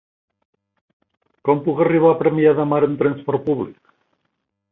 Com puc arribar a Premià de Mar amb trasport públic?